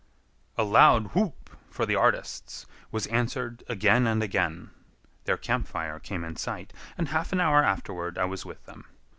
A loud whoop for the artists was answered again and again. Their camp fire came in sight, and half an hour afterward I was with them.